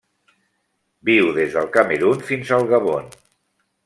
Viu des del Camerun fins al Gabon.